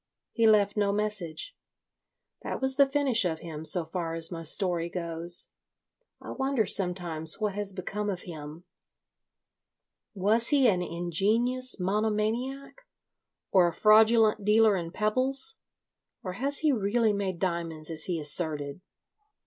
He left no message. That was the finish of him so far as my story goes. I wonder sometimes what has become of him. Was he an ingenious monomaniac, or a fraudulent dealer in pebbles, or has he really made diamonds as he asserted?